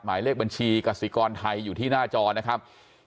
หมายเลขบัญชีกษิกรไทยอยู่ที่หน้าจอนะครับ